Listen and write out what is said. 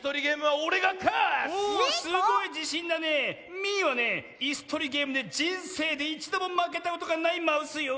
ミーはねいすとりゲームでじんせいでいちどもまけたことがないマウスよ。